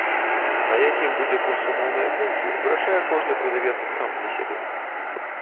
А якім будзе курс умоўнай адзінкі, вырашае кожны прадавец сам для сябе.